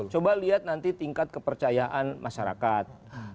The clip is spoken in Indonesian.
coba lihat nanti tingkat kepercayaan masyarakat